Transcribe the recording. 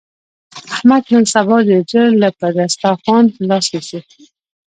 احمد نن سبا ډېر ژر له پر دستاخوان لاس نسي.